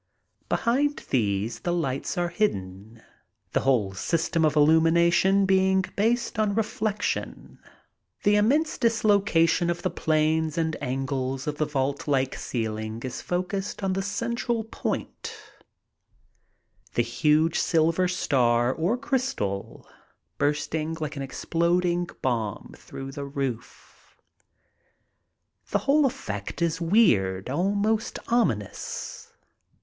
Behind these the lights are hidden, the whole system of illumination being based on reflection. The immense dislocation of the planes and angles of the vaultlike ceiling is focused on the central point, the huge silver star or crystal bursting like an exploding bomb through the roof. The whole effect is weird, almost ominous.